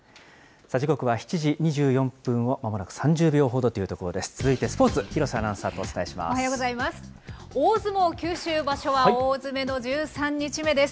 時刻は７時２４分をまもなく３０秒ほどというところです。